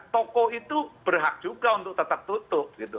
toko itu berhak juga untuk tetap tutup gitu